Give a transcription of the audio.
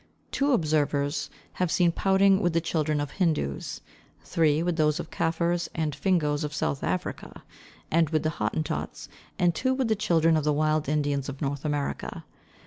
Two observers have seen pouting with the children of Hindoos; three, with those of the Kafirs and Fingoes of South Africa, and with the Hottentots; and two, with the children of the wild Indians of North America.